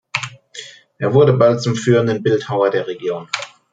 Er wurde bald zum führenden Bildhauer der Region.